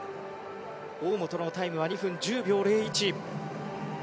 大本のタイムは２分１０秒０１。